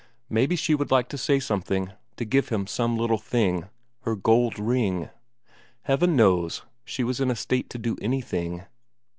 Maybe she would like to say something, to give him some little thing her gold ring; Heaven knows, she was in a state to do anything.